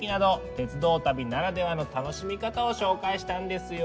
鉄道旅ならではの楽しみ方を紹介したんですよ。